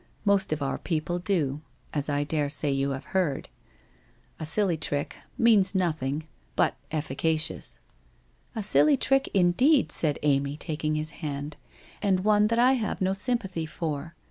Most of our people do, as I daresay you have heard. A silly trick — means nothing — but efficacious/ ' A silly trick indeed,' said Amy, taking his hand, c and one that I have no sympathy for.